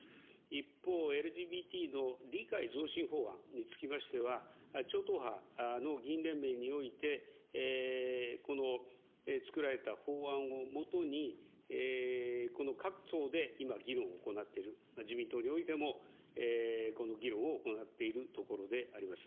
一方、ＬＧＢＴの理解増進法案につきましては、超党派の議員連盟において、このつくられた法案をもとに、この各党で今、議論を行っている、自民党においてもこの議論を行っているところであります。